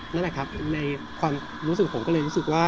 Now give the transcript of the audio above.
นั่นแหละครับในความรู้สึกผมก็เลยรู้สึกว่า